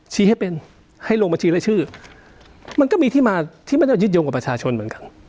ให้เป็นให้ลงบัญชีรายชื่อมันก็มีที่มาที่ไม่ต้องยึดโยงกับประชาชนเหมือนกัน